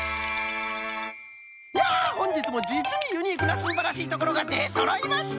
いやほんじつもじつにユニークなすんばらしいところがでそろいました！